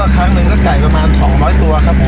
ครั้งหนึ่งก็ไก่ประมาณ๒๐๐ตัวครับ